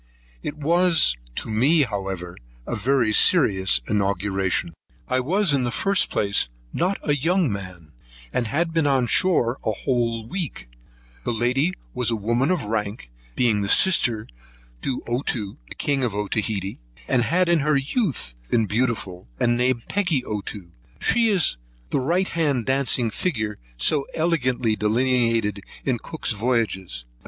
It was to me, however, a very serious inauguration: I was, in the first place, not a young man, and had been on shore a whole week; the lady was a woman of rank, being sister to Ottoo, the king of Otaheitee, and had in her youth been beautiful, and named Peggy Ottoo. She is the right hand dancing figure so elegantly delineated in Cook's Voyages.